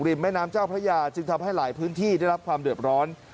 แม่น้ำเจ้าพระยาจึงทำให้หลายพื้นที่ได้รับความเดือดร้อน